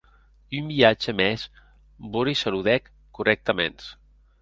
Un viatge mès Boris saludèc correctaments.